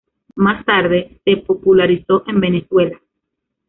Más tarde, se popularizó en Venezuela.